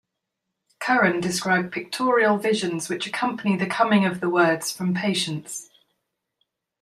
Curran described pictorial visions which accompany the coming of the words from Patience.